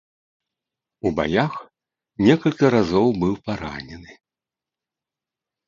У баях некалькі разоў быў паранены.